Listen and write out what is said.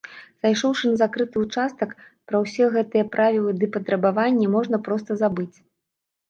Зайшоўшы на закрыты ўчастак, пра ўсе гэтыя правілы ды патрабаванні можна проста забыць.